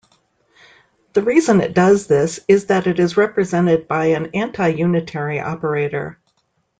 The reason it does this is that it is represented by an anti-unitary operator.